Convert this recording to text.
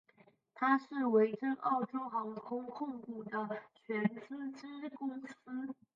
它是维珍澳洲航空控股的全资子公司。